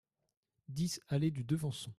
dix allée du Devenson